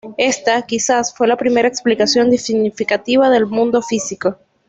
Esta, quizás, fue la primera explicación significativa del mundo físico.